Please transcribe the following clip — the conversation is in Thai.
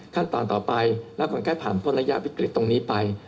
ขั้นตอนต่อไปแล้วก็ผ่านพ้นระยะวิกฤตตรงนี้ไป